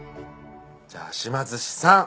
じゃあ島寿司さん